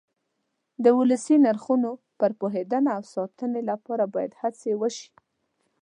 د ولسي نرخونو پر پوهېدنه او ساتنې لپاره باید هڅې وشي.